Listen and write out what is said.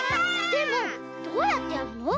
でもどうやってやるの？